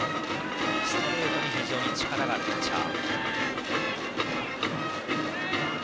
ストレートに非常に力があるピッチャー。